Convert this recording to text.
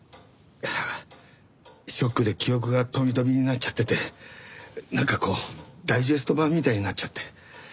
はあショックで記憶が飛び飛びになっちゃっててなんかこうダイジェスト版みたいになっちゃって。